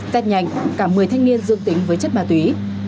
tết nhanh cả một mươi thanh niên dựng tính với chất ma túy